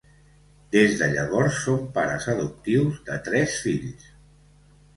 Des de llavors són pares adoptius de tres fills.